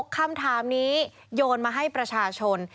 คำถามนี้โยนมาให้ประชาชน